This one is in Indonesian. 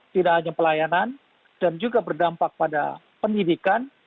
tidak hanya pelayanan dan juga berdampak pada pendidikan